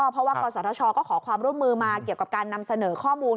เพราะว่ากศชก็ขอความร่วมมือมาเกี่ยวกับการนำเสนอข้อมูล